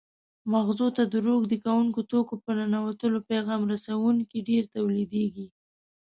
مغزو ته د روږدي کوونکو توکو په ننوتلو پیغام رسوونکي ډېر تولیدېږي.